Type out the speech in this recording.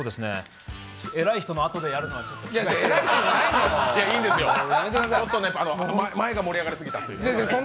偉い人のあとでやるのはちょっとちょっとね、前が盛り上がりすぎたっていう。